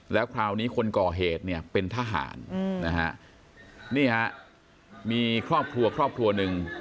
แล้วคราวนี้คนก่อเหตุเนี่ยเป็นทหารนะฮะนี่ฮะมีครอบครัวครอบครัวหนึ่ง